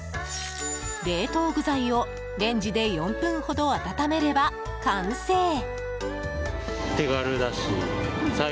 冷凍具材をレンジで４分ほど温めれば完成。